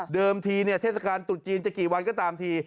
ทีเทศกาลตรุษจีนจะกี่วันก็ตามที